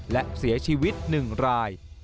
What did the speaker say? และเสียชีวิต๑ราย